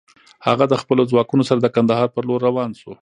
هغه د خپلو ځواکونو سره د کندهار پر لور روان شو.